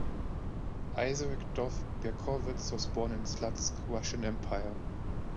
Isaac Dov Berkowitz was born in Slutsk, Russian Empire.